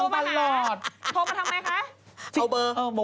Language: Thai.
โทรมาทำไมคะ